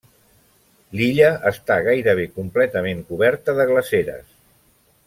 L'illa està gairebé completament coberta de glaceres.